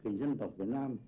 nhân tộc việt nam